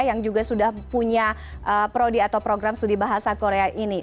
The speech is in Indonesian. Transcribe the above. yang juga sudah punya prodi atau program studi bahasa korea ini